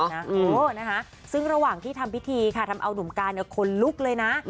เออนะคะซึ่งระหว่างที่ทำพิธีค่ะทำเอาหนุ่มการเนี่ยคนลุกเลยนะ